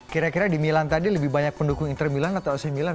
kira kira di milan tadi lebih banyak pendukung inter milan atau oc milan